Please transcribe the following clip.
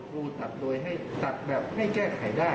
ครูตัดดูดูเอิ่มให้แก้แขยได้